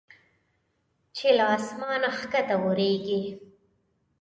چې له اسمانه کښته اوریږي